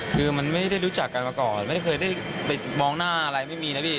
คือมันไม่ได้รู้จักกันมาก่อนไม่ได้เคยได้ไปมองหน้าอะไรไม่มีนะพี่